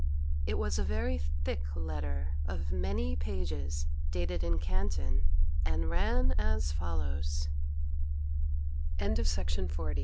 It was a very thick letter, of many pages, dated in Canton, and ran as follows: CHAPTER X